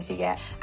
あ！